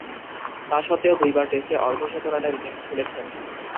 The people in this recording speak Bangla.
তাসত্ত্বেও, দুইবার টেস্টে অর্ধ-শতরানের ইনিংস খেলেছেন।